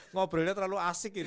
ngobrolnya terlalu asik ini